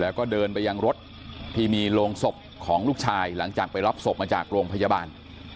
แล้วก็เดินไปยังรถที่มีโรงศพของลูกชายหลังจากไปรับศพมาจากโรงพยาบาล